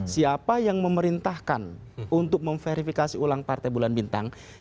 siapa yang memerintahkan untuk memverifikasi ulang partai bulan bintang